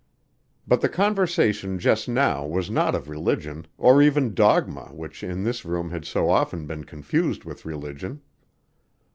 But the conversation just now was not of religion, or even dogma which in this room had so often been confused with religion.